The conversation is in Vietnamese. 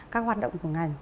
các hoạt động của ngành